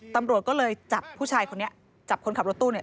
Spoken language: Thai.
ตำรวจก็เลยจับผู้ชายคนนี้จับคนขับรถตู้เนี่ย